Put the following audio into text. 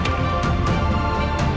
saya akan mencari kepuasan